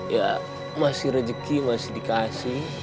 ya masih rezeki masih dikasih